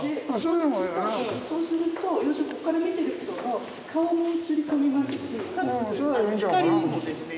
そうすると要するにここから見てる人の顔も映り込みますし光もですね